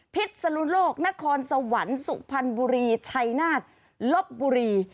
สนุโลกนครสวรรค์สุพรรณบุรีชัยนาฏลบบุรี